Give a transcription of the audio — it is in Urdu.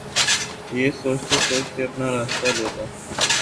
یہ سوچتے سوچتے اپنا راستہ لیتا